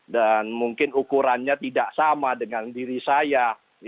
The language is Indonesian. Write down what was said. dan mungkin ukurannya tidak sama dengan diri saya